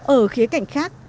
ở khía cạnh khác